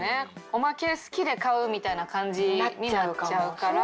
おまけ好きで買うみたいな感じになっちゃうから。